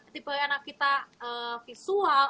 tipe anak kita visual